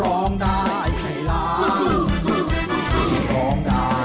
ร้องได้ให้ล้าน